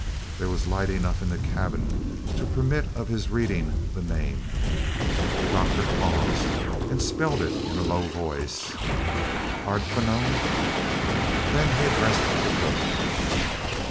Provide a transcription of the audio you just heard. There was light enough in the cabin to permit of his reading the name. The doctor paused, and spelled it in a low voice, "Hardquanonne." Then he addressed the cook.